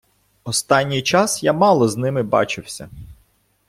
Останній час я мало з ними бачився.